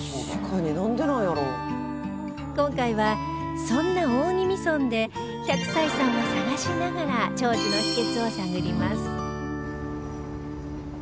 今回はそんな大宜味村で１００歳さんを探しながら長寿の秘訣を探ります